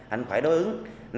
anh phải đối ứng năm mươi